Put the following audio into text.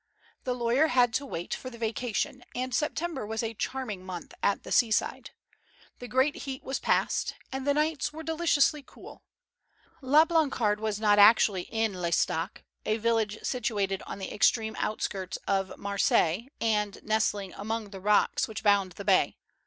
The lawyer had to wait for the vacation, and September was a charming month at the seaside. The great heat was past, and the nights were deliciously cool. La Blancarde was not actually in L'Estaque, a village situated on the extreme outskirts of Marseilles, and nestling among the rocks which bound the bay.